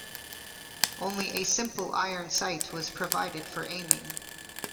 Only a simple iron sight was provided for aiming.